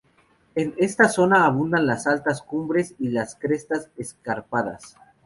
En esta zona abundan las altas cumbres y las crestas escarpadas.